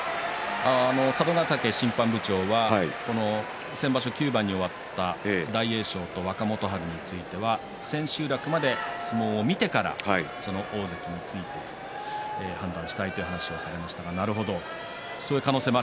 佐渡ヶ嶽審判部長は先場所９番に終わった大栄翔と若元春については千秋楽まで相撲を見てから大関について判断したいという話をされました。